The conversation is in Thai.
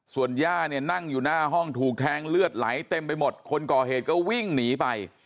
ส่วนย่าเนี่ยนั่งอยู่หน้าห้องถูกแทงเลือดไหลเต็มไปหมดคนก่อเหตุก็วิ่งหนีไป